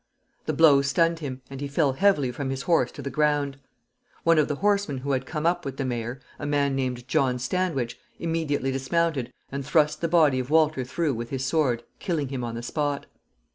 The blow stunned him, and he fell heavily from his horse to the ground. One of the horsemen who had come up with the mayor a man named John Standwich immediately dismounted, and thrust the body of Walter through with his sword, killing him on the spot.